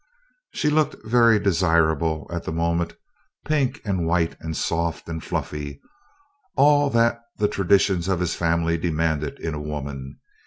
She looked very desirable at the moment pink and white and soft and fluffy all that the traditions of his family demanded in a woman.